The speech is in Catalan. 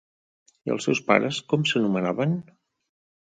I els seus pares com s'anomenaven?